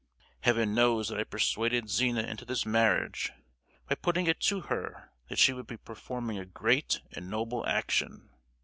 Heaven knows that I persuaded Zina into this marriage by putting it to her that she would be performing a great and noble action.